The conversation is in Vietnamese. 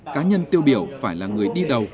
cá nhân tiêu biểu phải là người đi đầu